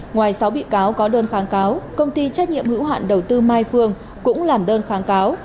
ngoài sáu bị cáo có đơn kháng cáo công ty trách nhiệm hữu hạn đầu tư mai phương cũng làm đơn kháng cáo